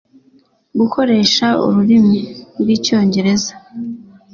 gukoresha ururimi rw icyongereza